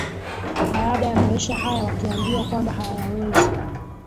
baada ya maisha haya wakiambiwa kwamba hayawezi